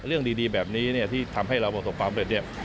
เรื่องดีแบบนี้ที่ทำให้เราประสบความสำเร็จ